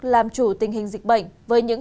làm chủ tình hình dịch bệnh với những